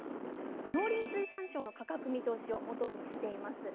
農林水産省の価格見通しをもとにしています。